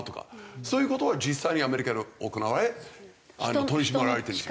そういう事は実際にアメリカで行われ取り締まられてるんですよ。